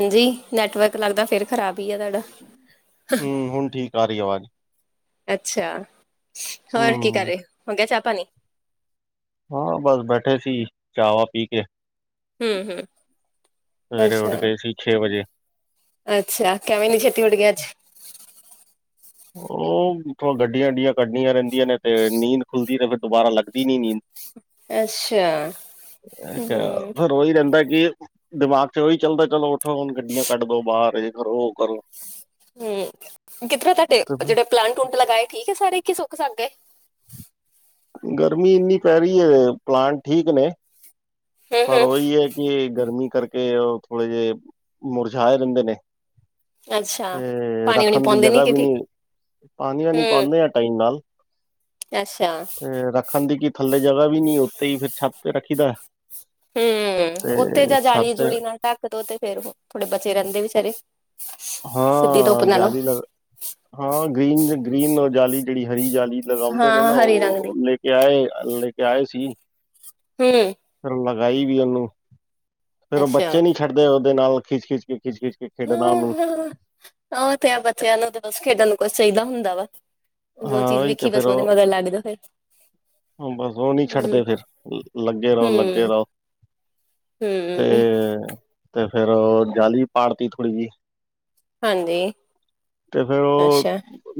ਹਾਂਜੀ ਨੈਟਵਰਕ ਲੱਗਦਾ ਫੇਰ ਖ਼ਰਾਬ ਹੀ ਆ ਤੁਹਾਡਾ ਹੁੰ, ਹੁਣ ਠੀਕ ਆ ਰਹੀ ਆਵਾਜ਼ ਅੱਛਾ, ਹੋਰ ਕੀ ਕਰ ਰਹੇ, ਹੋ ਗਿਆ ਚਾਹ ਪਾਣੀ ਹਾਂ, ਬਸ ਬੈਠੇ ਸੀ ਚਾਵਾ ਪੀ ਕੇ ਹੂੰ ਹੂੰ ਸਵੇਰੇ ਉੱਠ ਅੱਛਾ ਗਏ ਸੀ ਛੇ ਵਜੇ ਅੱਛਾ, ਕਿਵੇਂ ਇੰਨੀ ਛੇਤੀ ਉਠ ਗਏ ਅਜ ਉਹ ਗੱਡੀਆਂ ਗੱਡੀਆਂ ਕੱਢਣੀਆਂ ਰਹਿੰਦੀਆਂ ਨੇ ਤੇ ਨੀਂਦ ਖੁੱਲਦੀ, ਤੇ ਫਿਰ ਦੁਬਾਰਾ ਲੱਗਦੀ ਨੀ ਨੀਂਦ। ਅੱਛਾ ਅ ਹੂੰ ਫਿਰ ਉਹੀ ਰਹਿੰਦਾ ਫਿਰ ਦਿਮਾਗ ਚ ਉਹੀ ਚੱਲਦਾ ਚਲੋ ਉੱਠੋ ਹੁਣ ਗੱਡੀਆਂ ਕੱਢ ਦੋ ਬਾਹਰ ਏ ਕਰੋ ਉਹ ਕਰੋ ਹੁੰ, ਕਿਧਰ ਤੁਹਾਡੇ ਤੇ ਜਿਹੜੇ ਫਿਰ ਪਲਾਂਟ ਪਲੱਊਂਟ ਲਗਾਏ ਠੀਕ ਹੈ ਸਾਰੇ ਕੀ ਸੁ ਸਾਗੇ ਗਰਮੀ ਇੰਨੀ ਪੈ ਰਹੀ ਹੈ ਪਲਾਂਟ ਠੀਕ ਨੇ ਹੂੰ ਪਰ ਹੂੰ ਉਹੀ ਹੈ ਕਿ ਐ ਗਰਮੀ ਕਰਕੇ ਉਹ ਥੋੜੇ ਜਿਹੇ ਮੁਰਝਾਏ ਰਹਿੰਦੇ ਨੇ ਅੱਛਾ ਤੇ ਪਾਣੀ ਉਣੀ ਰੱਖਣ ਦੀ ਪਾਉਂਦੇ ਜਗ੍ਹਾ ਕਿ ਵੀ ਠੀਕ ਨੀ ਪਾਣੀਆਂ ਨੀ ਪਾਉਂਦੇ ਆ ਟਾਈਮ ਨਾਲ ਅੱਛ ਤੇ ਰੱਖਣ ਦੀ ਕੀ ਥੱਲੇ ਜਗ੍ਹਾ ਵੀ ਨੀ ਉੱਥੇ ਹੀ ਫੇਰ ਛੱਤ ਤੇ ਰੱਖੀ ਦਾ ਹੁੰ, ਉੱਥੇ ਜਾ ਜਾਲੀ ਛੱਤ ਜੁੂਲੀ ਨਾਲ ਢੱਕ ਦੋ ਫੇਰ ਥੋੜੇ ਬਚੇ ਰਹਿੰਦੇ ਵੀਚਾਰੇ। ਹਾਂ, ਜਾਲੀ ਲਗਦ, ਹਾਂ ਗ੍ਰੀਨ ਗ੍ਰੀਨ ਜਾਲੀ ਜਿਹੜੀ ਹਰੀ ਜਾਲੀ। [unintelligible] ਲਗਾਉਂਦੇ ਨੇ ਹਾਂ ਨਾ ਹਰੀ ਰੰਗ ਦੀ ਉਹ, ਲੈ ਕੇ ਆਏ ਲੈ ਕੇ ਆਏ ਸੀ। ਹੁੰ। ਫਿਰ ਲਗਾਈ ਵੀ ਉਹਨੂੰ, ਫੇਰ ਉਹ ਬੱਚੇ ਅੱਛਾ ਨੀ ਛੱਡਦੇ ਉਹਦੇ ਨਾਲ ਖਿੱਚ ਖਿੱਚ ਕੇ ਖਿੱਚ ਖਿੱਚ ਕੇ ਖੇਡਣਾ ਉਹਨੂੰ ਹ ਆਹ ਤੇ ਆ ਬੱਚਿਆਂ ਨੂੰ ਤਾਂ ਖੇਡਣ ਨੂੰ ਕੁਛ ਚਾਹੀਦਾ ਹੁੰਦਾ ਵਾ। ਜੋ ਹਾਂ ਚੀਜ਼ ਉਹੀ ਤੇ ਵੇਖੀ ਫਿਰ ਬਸ ਉਹਦੇ ਉਹ ਨੂੰ ਮਗਰ ਲੱਗ ਜੋ ਫਿਰ ਬਸ ਉਹ ਨਹੀਂ ਹੂੰ ਛੱਡਦੇ ਫਿਰ ਲੱਗੇ ਰਹੋ ਲੱਗੇ ਹੂੰ ਰਹੋ। ਤੇ, ਹੂੰ ਤੇ ਫੇਰ ਜਾਲਲੀ ਪਾੜਤੀ ਥੋੜ੍ਹੀ ਜਿਹੀ। ਹਾਂਜੀ ਤੇ ਫੇਰ ਉਹ ਅੱਛਾ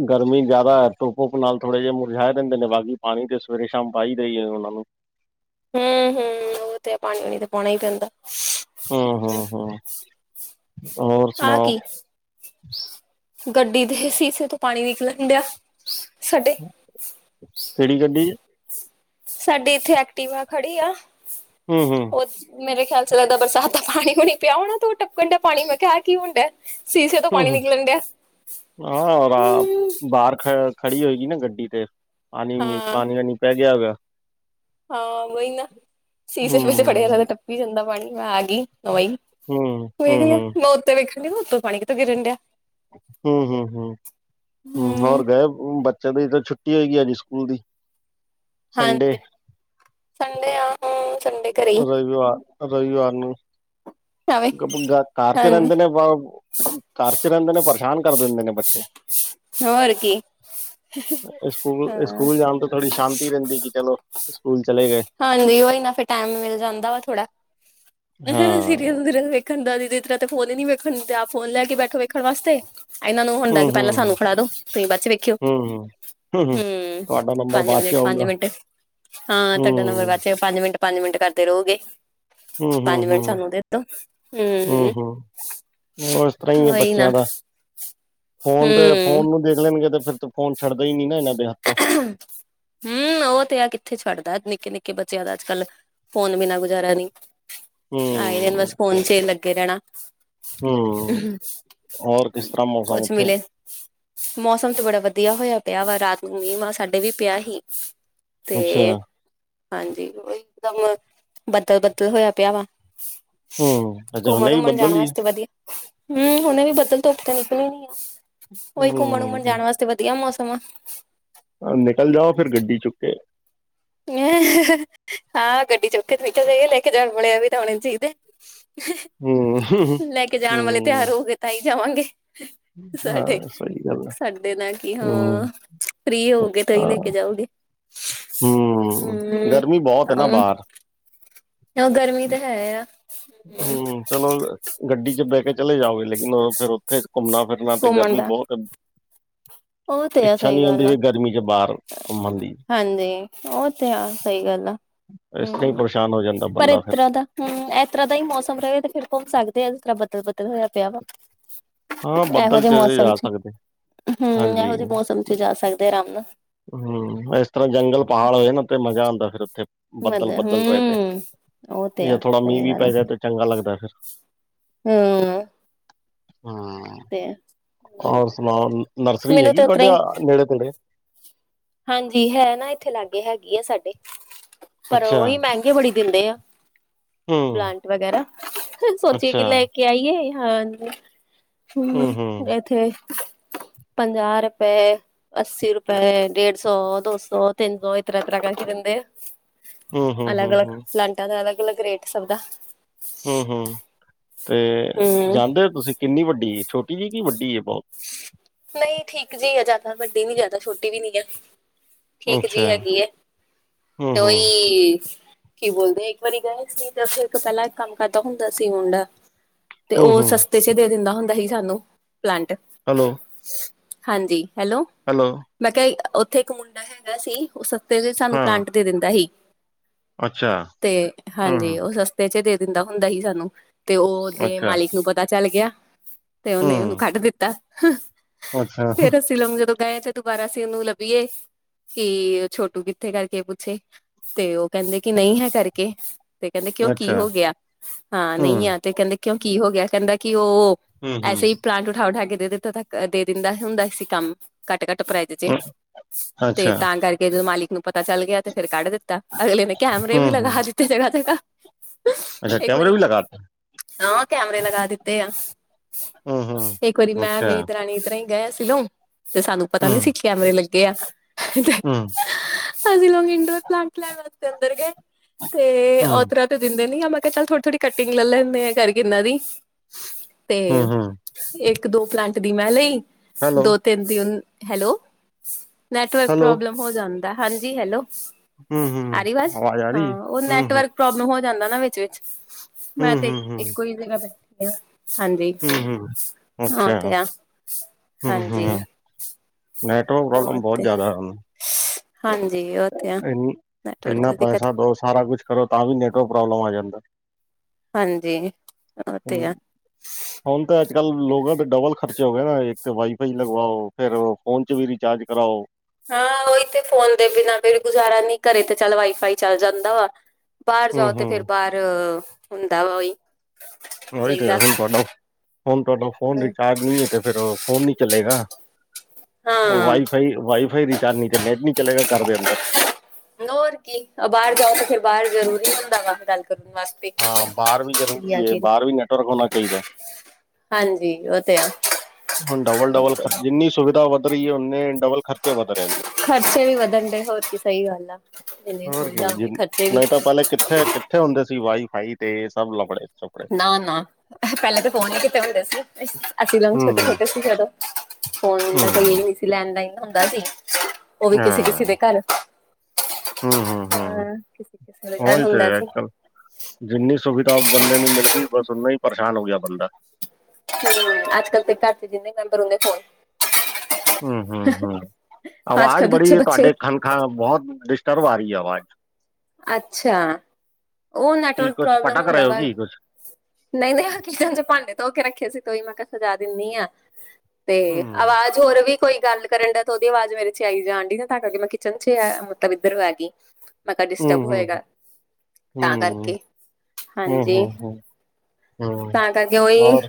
ਗਰਮੀ ਜ਼ਿਆਦਾ ਤੁੱਪ ਬੁਪ ਨਾਲ ਥੋੜੇ ਜਿਹੇ ਮੁਰਝਾ ਦਿੰਦੇ ਨੇ ਬਾਗੀ ਪਾਣੀ ਤੇ ਸਵੇਰੇ ਸ਼ਾਮ ਪਾਹੀ ਦੇ ਉਹਨਾਂ ਨੂੰ। ਹੁੰ-ਹੁੰ, ਉਹ ਤੇ ਪਾਣੀ ਪੂਣੀ ਤੇ ਪਾਉਣਾ ਹੀ ਪੈਂਦਾ। ਹੁੰ ਹੁੰ ਹੁੰ। ਹੋਰ ਆਹ ਸੁਣਾਓ? ਕੀ ਗੱਡੀ ਦੇ ਸੀਸੇ ਤੋਂ ਪਾਣੀ ਨਿਕਲਣ ਡਿਆ ਸਾਡੇ ਕਿਹੜੀ ਗੱਡੀ ਚ ਸਾਡਡੀ ਇੱਥੇ ਐਕਟੀਵਾ ਖੜੀ ਆ ਹੁੰ-ਹੁੰ। ਉਹ ਮੇਰੇ ਖਿਆਲ ਚ ਲਗਦਾ ਬਰਸਾਤ ਦਾ ਪਾਣੀ ਪੂਣੀ ਪਿਆ ਹੋਣਾ ਤੇ ਉਹ ਟਪਕਣ ਡੀਆ ਪਾਣੀ, ਮੈਂ ਕਿਹਾ ਐ ਕੀ ਹੋਣਡੀਆ। ਹੁੰ, ਹਾਂ ਹੂੰ ਬਾ-ਬਾਹਰ ਖੜ-ਖੜੀ ਹੋਏਗੀ ਨਾ। ਗੱਡੀ ਤੇ, ਪਾਣੀ ਵੀ ਹਾਂ ਪਾਣੀ ਨ ਪੈ ਗਿਆ [unintelligible] ਹਾਂ ਬਹੀ ਨਾ, ਸ਼ੀਸ਼ੇ ਸ਼ੁਸ਼ੇ ਖੜੇ ਹੂੰ ਜਾਂਦਾ ਤੇ ਟੱਪੀ ਜਾਂਦਾ ਪਾਣੀ ਮੈਂ ਆ ਵਾ ਹੂੰ ਹੂੰ ਹੂੰ ਮੈਂ ਉੱਤੇ ਵੇਖਣ ਡ ਉੱਤੋਂ ਪਾਣੀ ਕਿਤੇ ਗਿਰਨ ਡਿਆ। ਹੁੰ ਹੁੰ ਹੁੰ ਹੁੰ ਹਮ ਹੋਰ ਗਏ ਬ ਚਲੋ ਈਦੀ ਛੁੱਟੀ ਹੋਏਗੀ ਹੈ ਨੀ ਸਕੂਲ ਦੀ ਸੰਡੇ ਹਾਂਜੀ ਸੰਡੇ ਆ ਸੰਡੇ ਘਰੇ ਹੀ ਰਵਿਵਾਰ ਰਵਿਵਾਰ ਨੂੰ ਆਵੇ ਘ-ਘ-ਘਰ ਚ ਹਾਂਜੀ ਰਹਿੰਦੇ ਨੇ ਵ, ਘਰ ਚ ਰਹਿੰਦੇ ਨੇ ਪਰੇਸ਼ਾਨ ਕਰ ਦਿੰਦੇ ਨੇ ਬੱਚੇ। ਹੋਰ ਕੀ। ਏ ਸਕੂਲ ਏ ਹਾਂ ਸਕੂਲ ਜਾਣ ਤੋਂ ਥੋੜ੍ਹੀ ਸ਼ਾਂਤੀ ਰਹਿੰਦੀ ਕਿ ਚਲੋ ਸਕੂਲ ਹਾਂਜੀ ਉਹਹੀ ਨਾ ਫਿਰ ਟੈਮ ਮਿਲ ਜਾਂਦਾ ਵਾ ਥੋੜਾ ਸੀਰੀਲ ਵਖ ਵੇਖਣ ਦਾਦੀ ਦੀ ਤਰਾਂ ਤੇ ਫੋਨ ਹੀ ਵੇਖਣ ਆ ਫੋਨ ਲੈ ਬੈਠੋ ਵੇਖਣ ਵਾਸਤੇ ਇਹਨਾਂ ਨੂੰ ਹੁੰਦਾ ਕਿ ਪਹਿਲਾਂ ਸਾਨੂੰ ਫੜਾ ਦੋ ਤੁਸੀਂ ਬਾਦ ਚ ਵੇਖਿਓ ਹੂੰ ਤੁਹਾਡਾ ਨੰਬਰ ਪੰਜ ਬਾਅਦ ਚ ਮਿੰਟ ਪੰਜ ਆਊਗਾ ਮਿੰਟ ਹੂੰ ਹੂੰ ਤੁਹਾਡਾ ਨੰਬਰ ਵਾਚੇ ਪੰਜ ਮਿੰਟ ਪੰਜ ਮਿੰਟ ਕਰਦੇ ਰਹੋਗੇ। ਹੂੰ ਹੂੰ ਪੰਜ ਮਿੰਟ ਹੂੰ ਸਾਨੂੰ ਦੇ ਤੋ ਹੂੰ, ਹ ਇਸ ਤਰ੍ਹਾਂ ਹੀ ਹੈ ਉਹੀ ਨਾ ਬੱਚਿਆਂ ਦਾ ਫੋਨ ਤੇ ਹੂੰ। ਫੋਨ ਨੂੰ ਦੇਖ ਲੈਣਗੇ ਫਿਰ ਫੋਨ ਛੱਡਦਾ ਹੀ ਨੀ ਨਾ ਇਹਨਾਂ ਹੂਸ਼ ਦੇ ਹੱਥੋਂ ਉਹ ਤੇ ਆ ਕਿੱਥੇ ਛੱਡਦਾ ਨਿੱਕੇ-ਨਿੱਕੇ ਕਿ ਬੱਚਿਆਂ ਦਾ ਅੱਜ-ਕਲ ਫੋਨ ਬਿਨਾ ਗੁਜ਼ਾਰਾ ਨਹੀਂ ਆ ਇਹਦੇਨ ਹੂੰ ਬਸ ਫੋਨ ਸਹੀ। ਚ ਲੱਗੇ ਰਹਿਣਾ, ਹੂੰ ਹੋਰ ਕਿਸ ਤਰ੍ਹਾਂ ਮੌਸਮ ਕੁਛ ਉੱਥੇ ਮਿਲੇ ਮੌਸਮ ਤੇ ਬੜਾ ਵਧੀਆ ਹੋਇਆ ਪਿਆ ਵਾ ਰਾਤ ਨੂੰ ਮੀਂਹ ਮਾਂ ਸਾਡੇ ਵੀ ਪਿਆ ਹੀ ਤੇ ਅੱਛਾ, ਹਾਂਜੀ ਉਹੀ ਇਕਦਮ ਬੱਦਲ-ਬੱਦਲ ਹੋਇਆ ਪਿਆ ਵਾ ਹੂੰ ਅੱਛਾ ਹੁਣੇ ਘੁੰਮਣ ਵੀ ਉਮਣ ਜਾਣ ਬੱਦਲ ਹੀ ਹੈ ਵਾਸਤੇ ਵਧੀਆ ਹੂੰ ਹੁਨੇ ਵੀ ਬੱਦਲ ਧੁੱਪ ਤੇ ਨਿਕਲੀ ਨੀ ਆ ਉਹੀ ਘੁੰਮਣ ਹੂੰ ਉੁੰਮਣ ਹੂੰ। ਜਾਣ ਵਾਸਤੇ ਵਧੀਆ ਮੌਸਮ ਸ ਫੇਰ ਗੱਡੀ ਚੁੱਕੇ, ਹਾਂ ਗੱਡੀ ਚੋਖੇ ਤੇ ਨਿਕਲ ਜਾਏ ਲੈ ਕੇ ਜਾਣ ਵਾਲੇ ਵੀ ਤਾਂ ਹੋਣੇ ਚਾਹੀਦੇ। ਹੂੰ ਲੈ ਕੇ ਜਾਣ ਵਾਲੇ ਹੂੰ ਤਿਉਹਰ ਹੋ ਗਏ ਤਾਂ ਹੀ ਜਾਵਾਂਗੇ। ਸਾਡੇ ਹਾਂ ਸਹੀ ਗੱਲ। ਹੈ ਸਾਡੇ ਨਾਲ ਕੀ ਹੂੰ ਹਾਂ। ਫ੍ਰਰੀ ਹੋਗੇ ਤਾਂਹੀ ਹਾਂ ਲੈ ਕੇ ਜਾਓਗੇ। ਹੂੰ। ਗਰਮੀ ਬਹੁਤ ਹੈ ਨਾ ਆਹੋ। ਬਾਹਰ ਉਹ ਗਰਮੀ ਤਾਂ ਹੈ ਆ। ਹੂੰ ਚਲੋ ਗੱਡੀ ਚ ਬਹਿ ਕੇ ਚਲੇ ਜਾਓਗੇ ਲੇਕਿਨ ਫੇਰ ਉੱਥੇ ਘੁੰਮਣਾ ਫਿਰਨਾ ਤੇ ਗਰਮੀ ਬਹੁਤ ਤੇ ਉਹ ਤੇ ਆ ਇੱਛਾ ਸਹੀ ਨਹੀਂ ਹੁੰਦੀ ਗੱਲ ਆ ਵੀ ਗਰਮੀ ਚ ਬਾਹਰ ਘੁੰਮਣ ਦੀ ਹਾਂਜੀ ਉਹ ਤੇ ਆ ਸਹੀ ਗੱਲ ਆ। ਇਸ ਤਰ੍ਹਾਂ ਹੀ ਹੂੰ ਪਰੇਸ਼ਾਨ ਹੋ ਜਾਂਦਾ ਪਰ ਬੰਦਾ ਇਸ ਫਿਰ ਤਰ੍ਹਾਂ ਦਾ ਹੂੰ ਇਸ ਤਰ੍ਹਾਂ ਦਾ ਹੀ ਮੌਸਮ ਰਹੇ ਤੇ ਫੇਰ ਘੁੰਮ ਸਕਦੇ ਆ ਇਸ ਤਰ੍ਹਾਂ ਬਦਲ ਬਦਲ ਹੋਇਆ ਪਿਆ ਵਾ ਹਾਂ ਬੱਦਲ ਚਲੇ ਜਾ ਸਕਦੇ। ਹੂੰ ਹਾਂਜੀ ਇਹੋ ਜਹੇ ਮੌਸਮ ਚ ਜਾ ਸਕਦੇ ਆਰਾਮ ਨਾਲ। ਹੂੰ ਇਸ ਤਰ੍ਹਾਂ ਜੰਗਲ ਪਹਾੜ ਹੋਏ ਨਾ ਤੇ ਮਜ਼ਾ ਆਦਾ ਫਿਰ ਉੱਥੇ ਮਦ ਬੱਦਲ-ਬੱਦਲ ਰਹਿ ਤੇ ਹਮ ਉਹ ਤੇ ਜੇ ਆ ਥੋੜਾ ਮੀਂਹ ਵੀ ਪੈਦਾ ਤੇ ਚੰਗਾ ਲੱਗਦਾ ਫਿਰ ਹੂੰ ਤੇ ਹੋਰ ਸੁਣਾਓ ਨਰਸਰੀ ਮੈਨੂੰ ਹੈਗੀ ਤੇ ਉਤਰਾ ਤੁਹਾਡੇ ਹੀ ਨੇੜੇ ਤੇੜੇ? ਹਾਂਜੀ ਹੈ ਨਾ ਇੱਥੇ ਲਾਗੇ ਹੈਗੀ ਆ ਸਾਡੇ ਪਰ ਅੱਛਾ ਉਹੀ ਮਹਿੰਗੇ ਬੜੀ ਦਿੰਦੇ ਆ। ਹੂੰ ਪਲਾਂਟ ਵਗੈਰਾ, ਸੋਚੀਏ ਕਿ ਅੱਛਾ ਲੈ ਕੇ ਆਈਏ। ਹਾਂ। ਹੂੰ। ਇੱਥੇ ਪੰਜਾਹ ਰੁਪਏ, ਅੱਸੀ ਰੁਪਏ, ਡੇਢ ਰੁਪਏ। ਤ ਸੌ ਦੋ ਸੌ ਤਿੰਨ ਸੌ ਇਤਰਰ ਤਰਕ ਚ ਦਿੰਦੇ ਹੂੰ ਹੂੰ ਅਲੱਗ ਹੂੰ ਅਲਗ-ਅਲਗ ਹੂੰ ਪਲਾਟਾਂ ਦਾ ਅਲਗ ਅਗਲ ਰੇਟ ਸਭ ਦਾ। ਹੂੰ-ਹੂੰ, ਤੇ ਹਮ ਜਾਣਦੇ ਹੋ ਤੁਸੀਂ ਕਿੰਨੀ ਵੱਡੀ ਛੋਟੀ ਜਿਹੀ ਕਿ ਵੱਡੀ ਹੈ ਬਹੁਤ। ਨਹੀਂ ਠੀਕ ਜਿ ਆ ਜਿਆਦਾ ਵੱਡੀ ਨੀ ਜਿਆਦਾ ਛੋਟੀ ਵੀ ਨਹੀਂ ਆ। ਠੀਕ ਅੱਛਾ, ਜੀ ਹੈਗੀ ਹੈ ਤੇ ਹੂੰ-ਹੂੰ, ਉਹੀ ਕੀ ਬੋਲਦੇ ਇੱਕ ਵਾਰੀ ਗਏ ਸੀ ਤਾਂ ਫਿਰ ਪਹਿਲਾਂ ਕੰਮ ਕਰਦਾ ਹੁੰਦਾ ਸੀ ਮੁੰਡਾ। ਤੇ ਉਹ ਹੂੰ-ਹੂੰ, ਸਸਤੇ ਚ ਦੇ ਦਿੰਦਾ ਹੁੰਦਾ ਸੀ ਸਾਨੂੰ ਪਲਾਂਟ। ਹੈਲੋ। ਹਾਂਜੀ ਹੈਲੋ ਮੈਂ ਕਿਹਾ ਉੱਥੇ ਇੱਕ ਮੁੰਡਾ ਹੈਗਾ ਸੀ ਉਸ ਸਸਤੇ ਚ ਸਾਨੂੰ ਹਾਂ, ਪਲਾਂਟ ਦੇ ਦਿੰਦਾ ਸੀ ਅੱਛਾ, ਤੇ ਹੂੰ, ਹੂੰ। ਹਾਂਜੀ ਉਹ ਰਸਤੇ ਚ ਦੇ ਦਿੰਦਾ ਹੁੰਦਾ ਸੀ ਸਾਨੂੰ ਤੇ ਉਹਦੇ ਅੱਛਾ, ਮਾਲਿਕ ਨੂੰ ਪਤਾ ਚੱਲ ਗਿਆ। ਤੇ ਉਹਨੇ ਉਹਨੂੰ ਹੂੰ, ਕੱਢ ਦਿੱਤਾ ਅੱਛਾ, ਫੇਰ ਅਸੀਂ ਲ ਜਦੋਂ ਤੇ ਦੁਬਾਰਾ ਅਸੀਂ ਉਹਨੂੰ ਲੱਭੀਏ ਕਿ ਛੋਟੂ ਕਿੱਥੇ ਕਰਕੇ ਪੁੱਛੇ ਤੇ ਉਹ ਕਹਿੰਦੇ ਕਿ ਨਹੀਂ ਹੈ ਕਰਕੇ ਤੇ ਕਹਿੰਦੇ ਕਿਉਂ ਕੀ ਅੱਛਾ, ਹੋ ਗਿਆ ਹਾਂ ਨਹੀਂ ਹੂੰ, ਆ ਤੇ ਕਹਿੰਦੇ ਕਿਉਂ ਕੀ ਹੋ ਗਿਆ ਕਹਿੰਦਾ ਉਹ ਐਸੇ ਹੂੰ-ਹੂੰ, ਹੀ ਪਲਾਂਟ ਉਠਾ-ਉਠਾ ਕੇ ਦੇ ਦਿੱਤਾ ਦੇ ਦਿੰਦਾ ਹੁੰਦਾ ਸੀ ਕੰਮ। ਘੱਟ ਘੱਟ ਪ੍ਰਾਈਜ਼ ਚ ਅ ਤੇ ਅੱਛਾ, ਤਾਂ ਕਰਕੇ ਜਦੋਂ ਮਾਲਿਕ ਨੂੰ ਪਤਾ ਚੱਲ ਗਿਆ ਤੇ ਫੇਰ ਕੱਢ ਦੇ ਤਾ ਅਗਲੇ ਨੇ ਕੈਮਰੇ ਵੀ ਲਗਾ ਦਿੱਤੇ ਜਗ੍ਹਾ ਜਗ੍ਹਾ। ਅੱਛਾ ਇੱਕ ਕੈਮਰੇ ਵਾਰੀ ਵੀ ਲਗਾਤਾ। ਹਾਂ ਕੈਮਰੇ ਲਗਾ ਦਿੱਤੇ ਆ ਇੱਕ ਵਾਰੀ ਮੈਂ ਵੀੇ ਦ ਰਾਣੀ ਤਰ ਹੀ ਗ ਸੀਿਲੋਂ ਤੇ ਸਾਨੂੰ ਪਤਾ ਨੀ ਸੀ ਕੈਮਰੇ ਲੱਗੇ ਆ। ਹੂੰ। ਅ ਲੋਂਗ ਇੰਡੋਰ ਪਲਾਂਟ ਲੈਣ ਵਾਸਤੇ ਅੰਦਰ ਗਏ ਤੇ ਓਤਰਾ ਤੇ ਦਿੰਦੇ ਨੀ ਆ ਚੱਲ ਥੋੜੀ ਥੋੜੀ ਕਟਿੰਗ ਲੈ ਲੈਂਦੇ ਆ ਕਰਕੇ ਇਹਨਾਂ ਦੀ ਤੇ ਇੱਕ ਦੋ ਪਲਾਂਟ ਦੀ ਮੈਂ ਲਈ ਦੋ ਤਿੰਨ ਦਿ ਹੈਲੋ ਨੈਟਵਰਕ ਪ੍ਰੋਬਲਮ ਹੋ ਜਾਂਦਾ ਹਾਂਜੀ ਹੈਲੋ। ਆ ਰਹੀ ਵਾਜ਼ ਹਾਂ ਉਹ ਨੈਟਵਰਕ ਪ੍ਰੋਬਲਮ ਹੋ ਜਾਂਦਾ ਨਾ ਵਿੱਚ ਵਿਚ ਮੈਂ ਤੇ ਇੱਕੋ ਹੀ ਜਗ੍ਹਾ ਬੈਠੀ ਐ। ਹਾਂਜੀ ਹੋ ਤੇ ਆ ਹਾਂਜੀ ਹੂੰ-ਹੂੰ, ਨੈਟਵਰਕ ਉਹ ਪ੍ਰੋਬਲਮ ਬਹੁਤ ਤੇ ਜ਼ਿਆਦਾ ਹੈ ਉਹ ਹਾਂਜੀ ਉਹ ਤੇ ਆ ਨੈਟਵਰਕ ਇਨਾ ਦੀ ਦਿੱਕਤ ਪੈਸਾ ਦੋ ਸਾਰਾ ਕੁਛ ਕਰੋ ਤਾਂ ਵੀ ਨੈਟਵਰਕ ਪ੍ਰੋਬਲਮ ਆ ਜਾਂਦਾ। ਹੁਣ ਤਾਂ [unintelligible] ਅੱਜ ਕੱਲ ਲੋਕਾਂ ਦੇ ਡਬਲ ਹਾਂ ਉਹੀ ਤੇ ਫੋਨ ਦੇ ਬਿਨਾਂ ਕੋਈ ਗੁਜ਼ਾਰਾ ਨਹੀਂ ਘਰੇ ਤੇ ਚੱਲ ਵਾਈਫਾਈ ਚੱਲ ਜਾਂਦਾ ਵਾ [inaudible] ਬਾਹਰ ਹੂੰ ਜਾਓ। ਹੂੰ ਚਾਹੀਦਾ ਹਾਂ [unintelligible] ਚਲੇਗਾ ਹਾਂ ਘਰਦੇ ਅੰਦਰ [unintelligible] ਦਾਲ ਕਰ ਵਸ ਹਾਂ ਬਾਹਰ ਵੀ ਜ਼ਰੂਰੀ ਹੈ ਆਖਿਰ ਬਾਹਰ ਵੀ ਨੈਟਵਰਕ ਹੋਣਾ ਚਾਹੀਦਾ। ਹਾਂਜੀ ਉਹ ਤੇ ਆ ਹੁਣ ਡਬਲ ਡਬਲ ਜਿੰਨੀ ਸੁਵਿਧਾ ਵਧ ਰਹੀ ਹੈ ਓਨੇ ਡਬਲ ਖਰਚੇ ਵਧ ਰਹੇ ਨੇ ਖਰਚੇ ਵੀ ਵਧਣ ਡ ਹੋਰ ਕੀ ਸਹੀ ਗੱਲ ਆ ਇੰਨੇ ਹੋਰ ਸੁਵਿਧਾ ਕੀ ਜ ਹੁੰਦੇ ਖਰਚੇ ਵੀ ਨਹੀਂ ਤਾਂ ਪਹਿਲੇ ਕਿੱਥੇ ਕਿੱਥੇ ਹੁੰਦੇ ਸੀ ਵਾਈ ਫਾਈ ਤੇ ਸਭ ਲੜੇ ਨਾ ਨਾ ਪਹਿਲੇ ਤਾਂ ਫੋਨ ਹੀ ਕੀਤੇ ਹੁੰਦੇ ਸੀ ਅਸੀਂ ਛੋਟੇ ਛੋਟੇ ਸੀ ਜਦੋਂ ਫੋਨ ਉਹ ਵੀ ਕਿਸੇ ਕਿਸੇ ਦੇ ਘਰ ਹਾਂ ਕਿਸੇ ਕਿਸੇ ਦੇ ਘਰ ਹੁੰਦਾ ਸੀ [unintelligible] ਅੱਜ-ਕਲ ਤੇ ਘਰ ਚ ਜਿੰਨੇ ਮੈਂਬਰ ਹੁੰਦੇ ਫੋਨ ਹੂੰ-ਹੂੰ-ਹੂੰ ਅੱਜ ਆਵਾਜ਼ ਕੱਲ ਬੜੀ ਬੱਚੇ ਹੈ ਬੱਚੇ ਤੁਹਾਡੇ ਖਨ ਬਹੁਤ ਘਰੋ ਆਰੀ ਐ ਆਵਾਜ਼ ਆ ਕੀ ਕੁਛ ਪਟਕ ਰਹੇ ਹੋ ਕੀ ਕੁਛ? ਨਹੀਂ-ਨਹੀਂ ਤੋਂ ਹੀ ਮੈਂ ਕਿਹਾ ਸਜਾ ਕੋਈ ਗੱਲ ਕਰਨ ਡਾ ਤੇ ਉਹਦੀ ਆਵਾਜ਼ ਮੈਂ ਡਿਸਟਰਬ ਹੋਏਗਾ।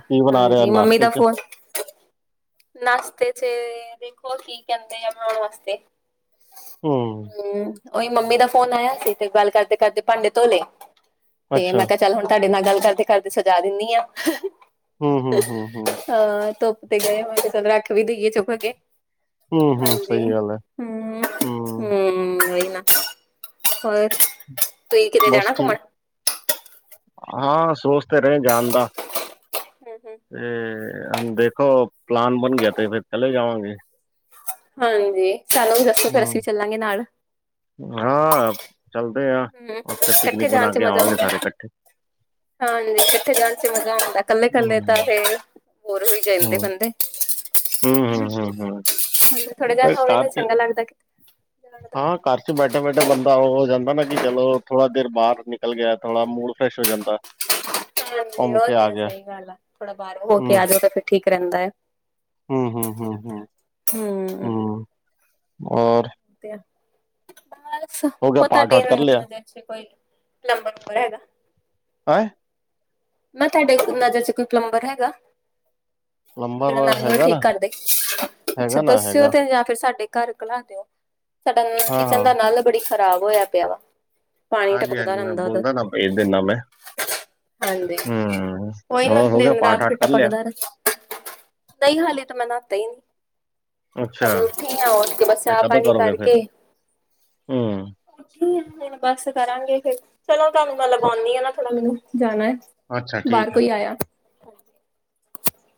ਕੀ ਬਣਾ ਰਹੇ ਹੋ ਨਾਸ਼ਤੇ 'ਚ? ਨਾਸ਼ਤੇ 'ਚ, ਵੇਖੋ ਕੀ ਕਹਿੰਦੇ ਆ ਬਣਾਉਣ ਵਾਸਤੇ। ਹੂੰ ਹਮ ਉਹੀ ਮੰਮੀ ਦਾ ਫੋਨ ਆਇਆ ਸੀ ਤੇ ਗੱਲ ਕਰਦੇ-ਕਰਦੇ ਭਾਂਡੇ ਧੋਲੇ, ਤੇ ਅੱਛਾ। ਮੈਂ ਕਿਹਾ ਚੱਲ ਹੁਣ ਤੁਹਾਡੇ ਡੇ ਨਾਲ ਗੱਲ ਕਰਦੇ-ਕਰਦੇ ਸਜਾ ਦਿੰਨੀ ਆ, ਹਾਂ ਧੋ ਤੇ ਗਏ ਹੋਏ ਤੇ ਚਲੋ ਰੱਖ ਵੀ ਦੇਈਏ ਚੁੱਕ ਕੇ। ਹਾਂਜੀ ਸਹੀ ਗੱਲ ਹੈ। ਹੂੰ, ਹੂੰ ਉਹੀ ਨਾ। ਹੋਰ, ਤੁਸੀਂ ਕਿਤੇ ਜਾਣਾ ਘੁੰਮਣ? ਹਾਂ ਸੋਚ ਤਾਂ ਰਹੇ ਜਾਣ ਦਾ। ਹਮ ਤੇ ਦੇਖੋ ਪਲਾਨ ਬਣ ਗਿਆ ਤੇ ਫਿਰ ਚਲੇ ਜਾਵਾਂਗੇ। ਹਾਂਜੀ ਸਾਨੂੰ ਵੀ ਦੱਸਿਓ ਫਿਰ ਅਸੀਂ ਵੀ ਹੂੰ। ਚੱਲਾਂਗੇ ਨਾਲ। ਹੂੰ ਉੱਥੇ ਇਕੱਠੇ ਪਿਕਨਿਕ ਬਣਾ ਜਾਣ 'ਚ ਕੇ ਮਜ਼ਾ ਆਵਾਂਗੇ ਆਉਂਦਾ। ਸਾਰੇ ਇਕੱਠੇ ਹਾਂਜੀ ਇਕੱਠੇ ਜਾਣ 'ਚ ਮਜ਼ਾ ਆਉਂਦਾ ਹੂੰ। ਕੱਲੇ-ਕੱਲੇ ਤਾਂ ਫੇਰ ਬੋਰ ਹੋਈ ਜਾਂਦੇ ਹੂੰ ਬੰਦੇ। ਹੂੰ ਹੂੰ ਹੂੰ ਹੂੰ ਥੋੜੇ ਦਿਨ ਪਰ ਹੋਗੇ ਕਾਰ ਨੇ ਚ ਚੰਗਾ ਲੱਗਦਾ ਕਿਤੇ। ਜਾਣ ਦਾ। ਹਾਂ ਘਰ 'ਚ ਬੈਠੇ-ਬੈਠੇ ਬੰਦਾ ਉਹ ਹੋ ਜਾਂਦਾ [unintelligible] ਨਾ ਕਿ ਚਲੋ ਥੋੜਾ ਦੇਰ ਬਾਹਰ ਨਿਕਲ ਗਿਆ ਥੋੜਾ ਮੂਡ ਫਰੈਸ਼ ਹੋ ਜਾਂਦਾ। ਹਾਂਜੀ ਘੁੰਮ ਉਹ ਕੇ ਆ ਤੇ ਗਿਆ ਸਹੀ ਗੱਲ ਏ ਥੋੜਾ ਬਾਹਰ ਹੋ ਕੇ ਹੂੰ ਆ ਜਾਓ ਤੇ ਫਿਰ ਠੀਕ ਰਹਿੰਦਾ ਏ। ਹੂੰ ਹੂੰ ਹੂੰ ਹੂੰ ਹੋਰ ਫੇਰ ਬਸ ਹੋ ਗਿਆ ਉਹ ਪਾਠ ਤੁਹਾਡੇ ਵਾਠ ਕਰ ਲਿਆ [unintelligible] 'ਚ ਕੋਈ ਨੰਬਰ ਨੂੰਬਰ ਹੈਗਾ। ਹੈਂ ਮੈਂ ਤੁਹਾਡੇ ਨਜ਼ਰ 'ਚ ਕੋਈ ਪਲੰਬਰ ਹੈਗਾ? ਉਹ ਨੰਬਰ ਜਿਹੜਾ ਨਲ-ਨੁਲ ਹੈਗਾ ਠੀਕ ਨਾ ਕਰਦੇ, ਅੱਛਾ ਹੈਗਾ ਨਾ ਦੱਸਿਓ ਹੈਗਾ ਤੇ ਜਾਂ ਫੇਰ ਸਾਡੇ ਘਰ ਘਲਾ ਦਿਓ, ਸਾਡਾ ਹਾਂ ਕਿਚਨ ਹਾਂ ਦਾ ਨਲ ਬੜੀ ਖ਼ਰਾਬ ਹੋਇਆ ਪਿਆ ਵਾ। ਪਾਣੀ ਹਾਂਜੀ ਟਪਕਦਾ ਹਾਂਜੀ ਮੈਂ ਰਹਿੰਦਾ ਉਹਦਾ। ਬੋਲਦਾ ਨਾ ਭੇਜ ਦੇਣਾ [unintelligible] ਕੋਈ ਨਾ, ਦਿਨ ਰਾਤ ਫਿਰ ਟਪਕਦਾ ਤਾਂ। ਨਹੀ ਹਲੇ ਤਾਂ ਮੈਂ ਨਾਤਾ ਹੀ ਨੀ। ਅਜੇ ਉੱਠੇ ਆ ਔਰਤ ਕੇ ਬਸ ਚਾਹ ਪਾ ਆ ਨਕਾਰਾਲ ਕੇ ਠ ਮ ਬਸ ਕਰਾਂਗੇ ਫਿਰ ਚਲੋ ਤੁਹਾਨੂੰ ਮੈਂ ਲਗਾਉਂਦੀ ਹਾਂ ਨਾ ਥੋੜ੍ਹਾ ਮੈਨੂੰ ਜਾਣਾ ਹੈ ਬਾਹਰ ਕੋਈ ਆਇਆ ਹਾਂਜੀ